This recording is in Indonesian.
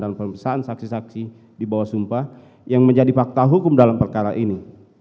dalam pemeriksaan saksi saksi di bawah sumpah yang menjadi fakta hukum dalam perkara ini